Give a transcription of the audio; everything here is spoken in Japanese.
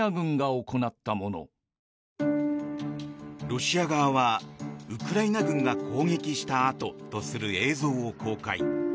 ロシア側はウクライナ軍が攻撃した跡とする映像を公開。